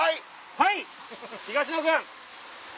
はい東野君。